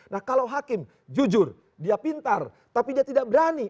nah kalau hakim jujur dia pintar tapi dia tidak berani